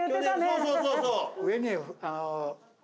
そうそうそうそう。